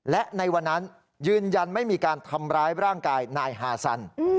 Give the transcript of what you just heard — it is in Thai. และในวันนั้นยืนยันไม่มีการทำร้ายร่างกายนายฮาซัน